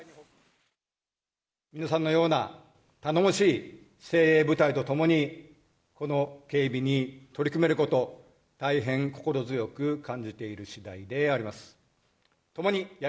皆さんのような、頼もしい精鋭部隊と共に、この警備に取り組めること、大変心強く感じているしだいであります。